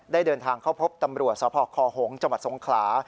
ได้เดินทางเข้าพบตำรวจสภคหงษ์จสงขลา